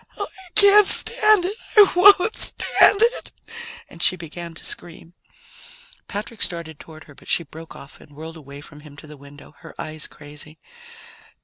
Oh, I can't stand it! I won't stand it!" And she began to scream. Patrick started toward her, but she broke off and whirled away from him to the window, her eyes crazy.